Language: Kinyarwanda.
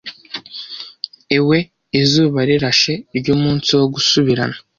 Ewe izuba rirashe ry'umunsi wo gusubirana,